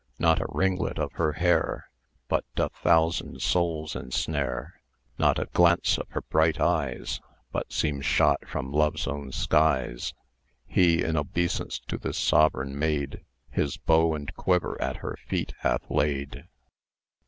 Not a ringlet of her hair But doth thousand souls ensnare. Not a glance of her bright eyes But seems shot from Love's own skies. He in obeisance to this sovereign maid, His bow and quiver at her feet hath laid.